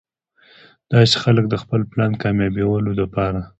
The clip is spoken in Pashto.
داسې خلک د خپل پلان کاميابولو د پاره